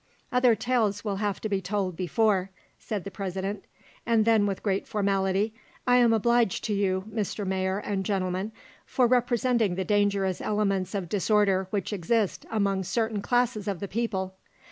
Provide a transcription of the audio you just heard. "Other tales will have to be told before," said the President, and then with great formality, "I am obliged to you, Mr. Mayor and Gentlemen, for representing the dangerous elements of disorder which exist among certain classes of the people.